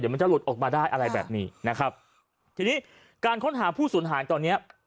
มันจะหลุดออกมาได้อะไรแบบนี้นะครับทีนี้การค้นหาผู้สูญหายตอนเนี้ย